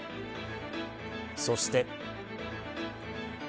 そして。